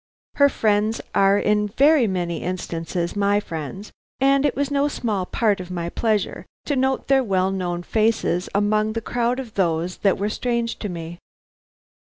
Her friends are in very many instances my friends, and it was no small part of my pleasure to note their well known faces among the crowd of those that were strange to me.